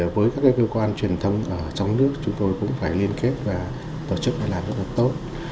với các cơ quan truyền thông ở trong nước chúng tôi cũng phải liên kết và tổ chức phải làm rất là tốt